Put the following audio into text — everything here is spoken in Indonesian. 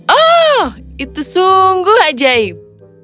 oh itu sungguh ajaib